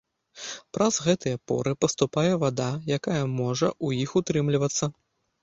Праз гэтыя поры паступае вада, якая можа ў іх утрымлівацца.